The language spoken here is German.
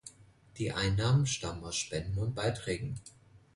Die Einnahmen stammen aus Spenden und Beiträgen.